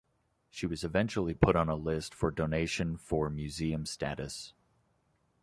She was eventually put on a list for donation for museum status.